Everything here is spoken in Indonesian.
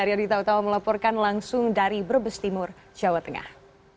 arya dita utama melaporkan langsung dari brebes timur jawa tengah